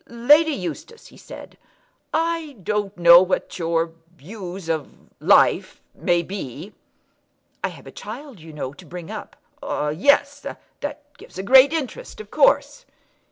"Lady Eustace," he said, "I don't know what your views of life may be." "I have a child, you know, to bring up." "Ah, yes; that gives a great interest, of course."